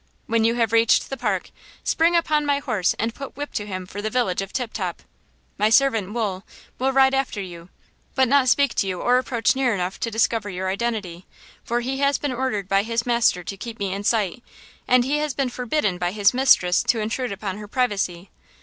When you have reached the park, spring upon my horse and put whip to him for the village of Tip Top. My servant, Wool, will ride after you, but not speak to you or approach near enough to discover your identity–for he has been ordered by his master to keep me in sight, and he has been forbidden by his mistress to intrude upon her privacy.